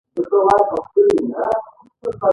ځمکه حاصلخېزه ده